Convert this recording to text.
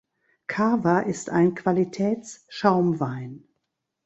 Cava ist ein Qualitäts-Schaumwein.